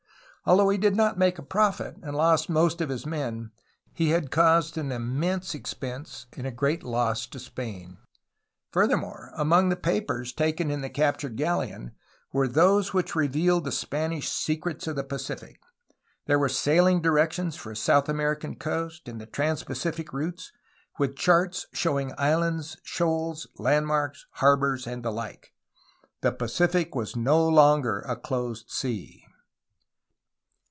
Although he did not make a profit and lost most of his men, he had caused an immense expense and a great loss to Spain. Furthermore, among the papers taken in the cap tured galleon were those which revealed the Spanish secrets of the Pacific. There were sailing directions for the South American coast and the trans Pacific routes, with charts showing islands, shoals, landmarks, harbors, and the like. The Pacific was no longer a closed sea.